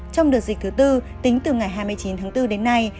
trong đợt dịch thứ tư tính từ ngày hai mươi chín tháng bốn đến nay